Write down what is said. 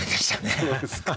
そうですか。